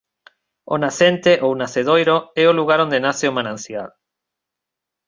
O nacente ou nacedoiro é o lugar onde nace o manancial.